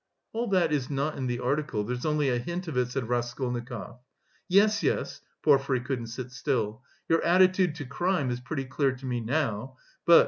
"All that is not in the article, there's only a hint of it," said Raskolnikov. "Yes, yes." Porfiry couldn't sit still. "Your attitude to crime is pretty clear to me now, but...